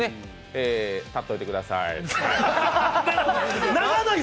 立っといてください。